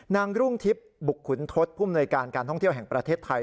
รุ่งทิพย์บุกขุนทศผู้มนวยการการท่องเที่ยวแห่งประเทศไทย